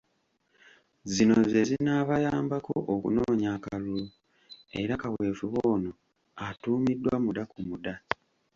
Zino ze zinaabayambako okunoonya akalulu era kaweefube ono atuumiddwa ‘Muda ku Muda’.